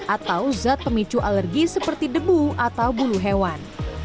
atau zat pemicu alergi seperti debu atau bulu hewan